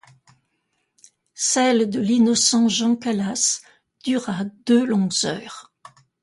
Celle de l'innocent Jean Calas dura deux longues heures.